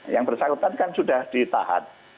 yang bersangkutan kan sudah ditahan